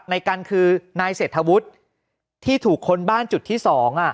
ในกันคือนายเศรษฐวุฒิที่ถูกคนบ้านจุดที่๒